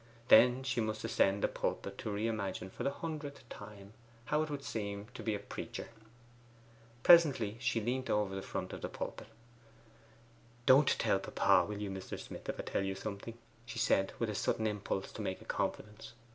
Then she must ascend the pulpit to re imagine for the hundredth time how it would seem to be a preacher. Presently she leant over the front of the pulpit. 'Don't you tell papa, will you, Mr. Smith, if I tell you something?' she said with a sudden impulse to make a confidence.